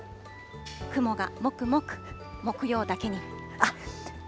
雲がもくもく、木曜だけに。